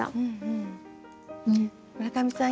村上さん